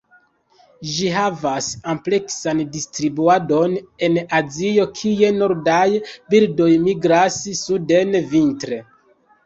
Ĝi havas ampleksan distribuadon en Azio kie nordaj birdoj migras suden vintre.